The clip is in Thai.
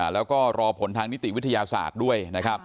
แล้วก็รอผลทางนิติวิทยาศาสตร์ด้วยนะครับ